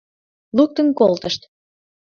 — Луктын колтышт!